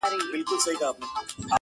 پهلوان د ترانو د لر او بر دی٫